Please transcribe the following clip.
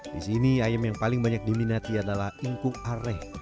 di sini ayam yang paling banyak diminati adalah ingkung areh